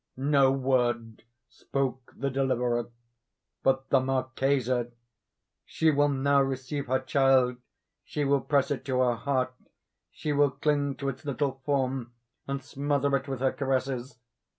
No word spoke the deliverer. But the Marchesa! She will now receive her child—she will press it to her heart—she will cling to its little form, and smother it with her caresses.